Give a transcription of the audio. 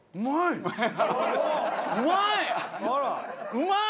うまい！